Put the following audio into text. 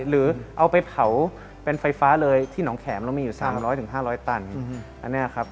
หรือเอาไปเผาเป็นไฟฟ้าเลยที่หนองแขมเรามีอยู่ส่าง๑๐๐๕๐๐ตัน